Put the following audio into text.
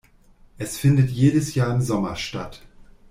Es findet jedes Jahr im Sommer statt.